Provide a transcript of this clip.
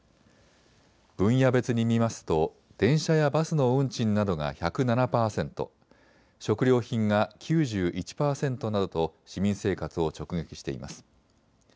分野別に見ますと電車やバスの運賃などが１０７％、食料品が９１％などと市民生活を直撃しています。